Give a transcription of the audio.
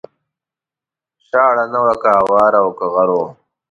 شاړه نه وه که هواره او که غر و